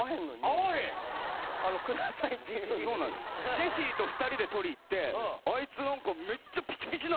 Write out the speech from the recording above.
ジェシーと２人で取り行ってあいつ何かめっちゃ。そらそうや。